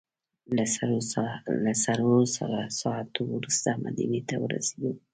له څلورو ساعتو وروسته مدینې ته ورسېدو.